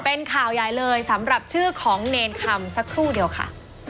เป็นข่าวใหญ่เลยสำหรับชื่อของเนรคำสักครู่เดียวค่ะ